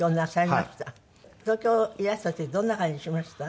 東京いらした時どんな感じしました？